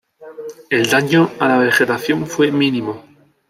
El daño a la vegetación fue mínimo.